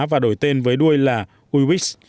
và đổi tên với đuôi là uux